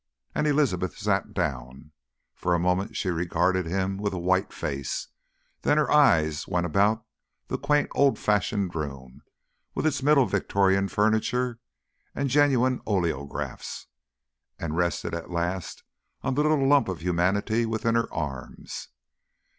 And Elizabeth sat down. For a moment she regarded him with a white face, then her eyes went about the quaint, old fashioned room, with its middle Victorian furniture and genuine oleographs, and rested at last on the little lump of humanity within her arms.